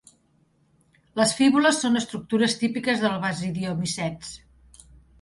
Les fíbules són estructures típiques dels basidiomicets.